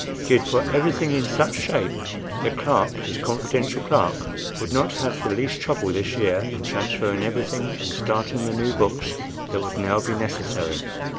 He had put everything in such shape that Clark, his confidential clerk, would not have the least trouble this year in transferring everything and starting the new books that would now be necessary.